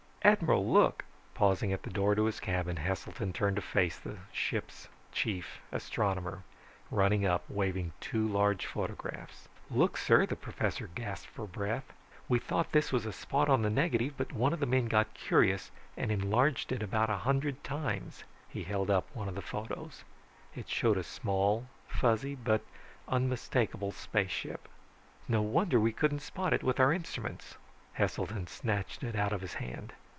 "Admiral, look!" Pausing at the door to his cabin, Heselton turned to face the ship's chief astronomer running up waving two large photographs. "Look, sir," the professor gasped for breath. "We thought this was a spot on the negative, but one of the men got curious and enlarged it about a hundred times." He held up one of the photos. It showed a small, fuzzy, but unmistakable spaceship. "No wonder we couldn't spot it with our instruments." Heselton snatched it out of his hand.